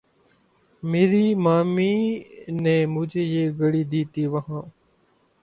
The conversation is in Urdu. میریں مامیںں نیں مجھیں یہ گھڑی دی تھی وہاں